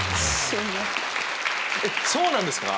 そうなんですか？